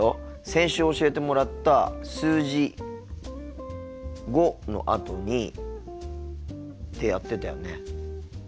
先週教えてもらった数字「５」のあとにってやってたよね。